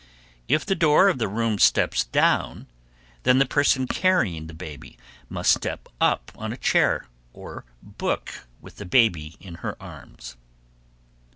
If the door of the room steps down, then the person carrying the baby must step up on a chair or book with the baby in her arms.